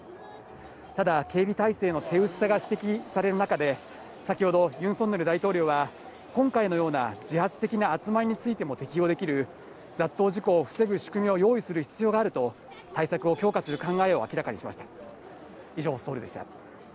ただ、警備態勢の手薄さが指摘される中で、先ほど、ユン・ソンニョル大統領は、今回のような自発的な集まりにも適用できる雑踏事故を防ぐ仕組みを作る必要があると、対策を強化する考えを明らかにしました。